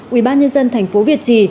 ubnd tp việt trì